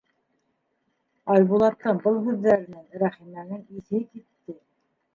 Айбулаттың был һүҙҙәренән Рәхимәнең иҫе китте.